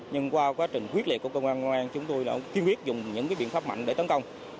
nhưng qua quá trình quyết liệt của cơ quan công an chúng tôi đã kiên quyết dùng những cái biện pháp mạnh để tấn công